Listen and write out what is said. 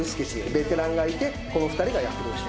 ベテランがいてこの２人が躍動してる。